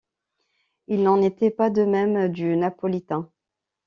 Il n’en était pas de même du Napolitain.